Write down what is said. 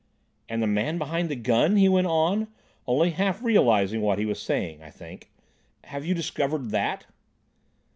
"And the man behind the gun," he went on, only half realising what he was saying, I think; "have you discovered _that?